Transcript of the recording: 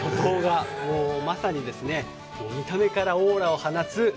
まさに見た目からオーラを放つ。